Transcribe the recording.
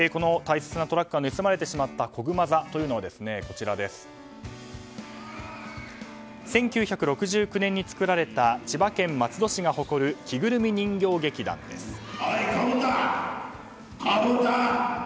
この大切なトラックが盗まれてしまったこぐま座というのは１９６９年に作られた千葉県松戸市が誇る着ぐるみ人形劇団です。